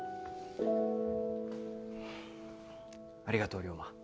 ありがとう龍馬。